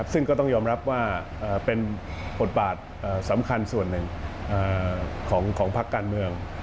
ซึ่งก็ต้องยอมรับว่าเป็นบทบาทสำคัญส่วนหนึ่งของพักการเมือง